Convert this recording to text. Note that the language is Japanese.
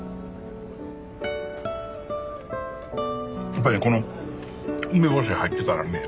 やっぱりねこの梅干し入ってたらね